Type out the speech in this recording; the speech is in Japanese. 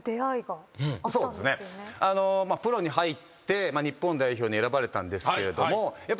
プロに入って日本代表に選ばれたんですけれども。